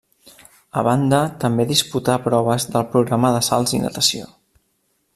A banda també disputà proves del programa de salts i natació.